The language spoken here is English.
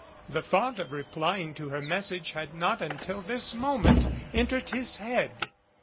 The thought of replying to her message had not un til this moment entered his head.